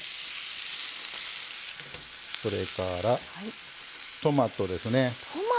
それから、トマトですね。